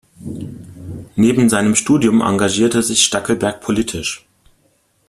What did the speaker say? Neben seinem Studium engagierte sich Stackelberg politisch.